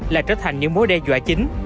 lại trở thành những mối đe dọa chính